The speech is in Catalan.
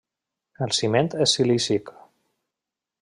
El ciment és silícic.